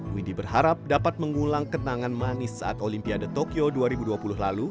widi berharap dapat mengulang kenangan manis saat olimpiade tokyo dua ribu dua puluh lalu